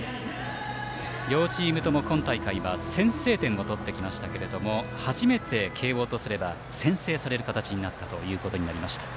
両チームとも今大会は先制点を取ってきましたが、初めて慶応とすれば先制される形になりました。